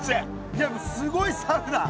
いやすごいサウナ。